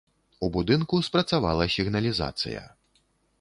У будынку спрацавала сігналізацыя.